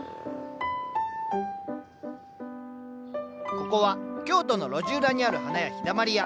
ここは京都の路地裏にある花屋「陽だまり屋」。